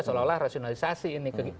seolah olah rasionalisasi ini